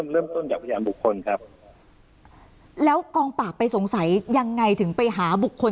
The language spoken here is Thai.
เริ่มต้นจากพยานบุคคลครับแล้วกองปราบไปสงสัยยังไงถึงไปหาบุคคล